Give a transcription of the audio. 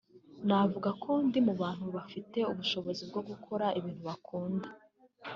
navuga ko ndi mu bantu bafite ubushobozi bwo gukora ibintu bakunda